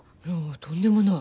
とんでもない。